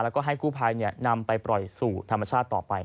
แล้วก็ให้คู่ภัยเนี่ยนำไปปล่อยศูนย์ธรรมชาติต่อไปครับ